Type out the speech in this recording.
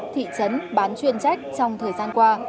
thị trấn bán chuyên trách trong thời gian qua